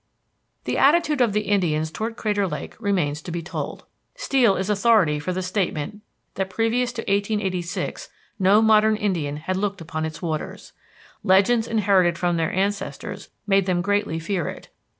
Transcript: The attitude of the Indians toward Crater Lake remains to be told. Steel is authority for the statement that previous to 1886 no modern Indian had looked upon its waters. Legends inherited from their ancestors made them greatly fear it.